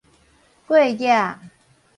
過額